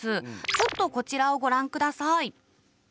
ちょっとこちらをご覧ください。